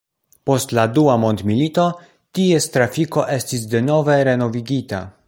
Post la dua mondmilito ties trafiko estis denove renovigita.